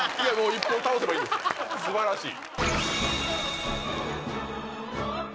１本倒せばいいんですよ素晴らしい。